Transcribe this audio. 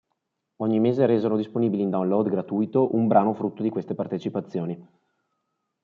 Ogni mese resero disponibili in download gratuito un brano frutto di queste partecipazioni.